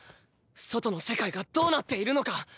外の世界がどうなっているのか。